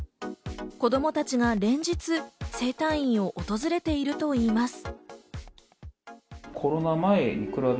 子供たちが連日、整体院を訪れているといいます。